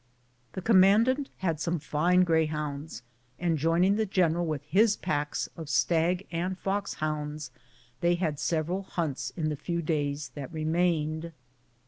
The commandant had some fine greyhounds, and joining the general with his packs of stag and fox hounds, they had several hunts in the few days that remained.